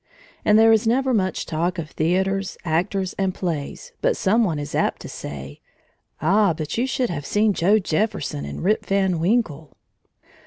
And there is never much talk of theaters, actors, and plays but some one is apt to say: "Ah, but you should have seen Joe Jefferson in Rip Van Winkle!"